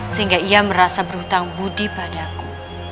sehingga ia merasa berhutang budi padaku